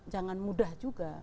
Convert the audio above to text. jangan mudah juga